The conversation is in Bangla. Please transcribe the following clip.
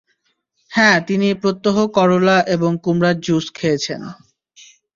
হ্যাঁ তিনি প্রত্যহ করলা এবং কুমড়ার জুস খেয়েছেন।